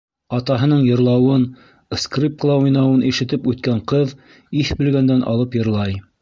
Атаһының йырлауын, скрипкала уйнауын ишетеп үҫкән ҡыҙ иҫ белгәндән алып йырлай.